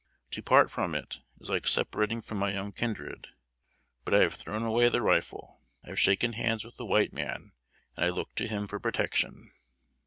To part from it, is like separating from my own kindred. But I have thrown away the rifle; I have shaken hands with the white man, and I look to him for protection."